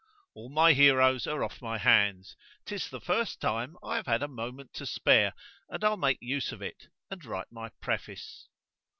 ——All my heroes are off my hands;—'tis the first time I have had a moment to spare—and I'll make use of it, and write my preface.